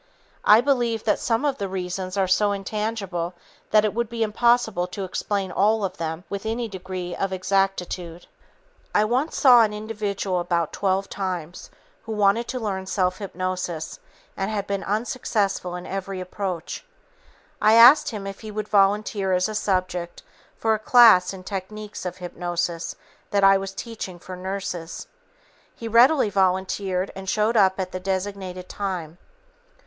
I believe that some of the reasons are so intangible that it would be impossible to explain all of them with any degree of exactitude. I once saw an individual about 12 times who wanted to learn self hypnosis and had been unsuccessful in every approach. I asked him if he would volunteer as a subject for a class in techniques of hypnosis that I was teaching for nurses. He readily volunteered and showed up at the designated time.